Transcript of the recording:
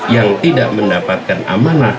yang tidak mendapatkan amanah